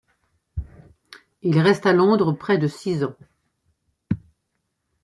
Il reste à Londres près de six ans.